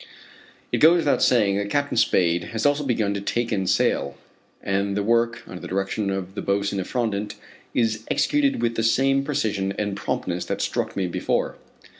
It goes without saying, that Captain Spade has also begun to take in sail, and the work, under the direction of the boatswain Effrondat, is executed with the same precision and promptness that struck me before.